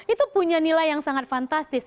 itu punya nilai yang sangat fantastis